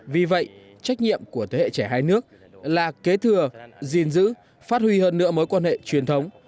vì vậy trách nhiệm của thế hệ trẻ hai nước là kế thừa gìn giữ phát huy hơn nữa mối quan hệ truyền thống